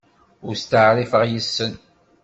Ur steɛṛifeɣ yes-sen.